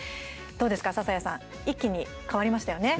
どうですか、笹谷さん一気に変わりましたよね。